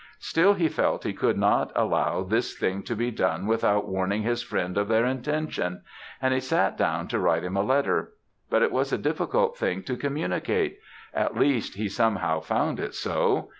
Still he felt he could not allow this thing to be done without warning his friend of their intention, and he sat down to write him a letter; but it was a difficult thing to communicate, at least, he somehow found it so.